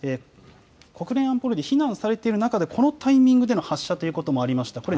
国連安保理で避難されている中でこのタイミングでの発射ということがありました。